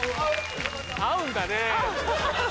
合うんだね。